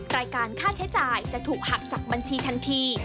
รายการค่าใช้จ่ายจะถูกหักจากบัญชีทันที